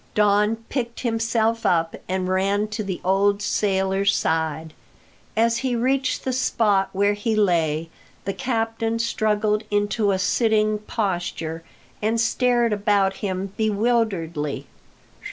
Don picked himself up and ran to the old sailor's side. As he reached the spot where he lay, the captain struggled into a sitting posture, and stared about him bewilderedly.